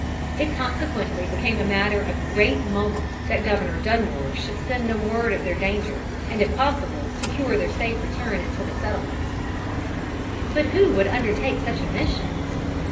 It consequently became a matter of great moment that Governor Dunmore should send them word of their danger, and if possible secure their safe return to the settlements. But who would undertake such a mission?